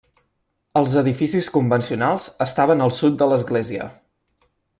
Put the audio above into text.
Els edificis convencionals estaven al sud de l'església.